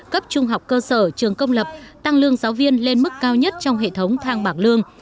cấp trung học cơ sở trường công lập tăng lương giáo viên lên mức cao nhất trong hệ thống thang bảng lương